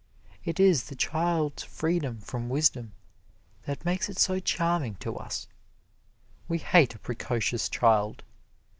It is the child's freedom from wisdom that makes it so charming to us; we hate a precocious child.